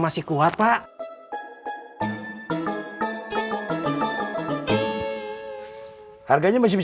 dia udah selesai